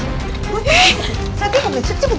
bu saya tinggal saya cek terus